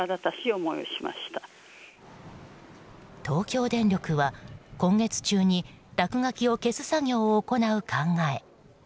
東京電力は、今月中に落書きを消す作業を行う考え。